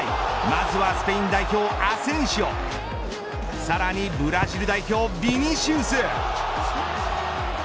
まずはスペイン代表アセンシオさらにブラジル代表ヴィニシウス。